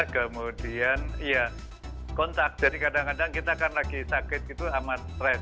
kemudian ya kontak jadi kadang kadang kita kan lagi sakit itu amat stres